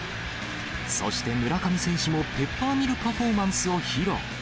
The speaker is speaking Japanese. そして村上選手もペッパーミルパフォーマンスを披露。